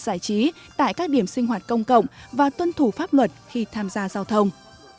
giải trí tại các điểm sinh hoạt công cộng và tuân thủ pháp luật khi tham gia giao thông